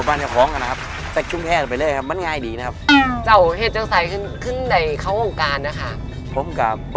มาตั้งจากกะเบิร์นของประธุนราชนะครับ